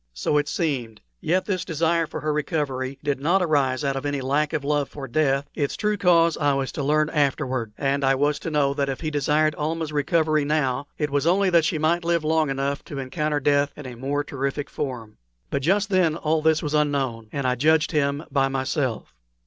So it seemed: yet this desire for her recovery did not arise out of any lack of love for death; its true cause I was to learn afterward; and I was to know that if he desired Almah's recovery now, it was only that she might live long enough to encounter death in a more terrific form. But just then all this was unknown, and I judged him by myself.